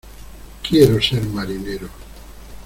¡Quiero ser marinero!